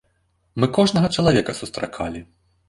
Мы кожнага чалавека сустракалі.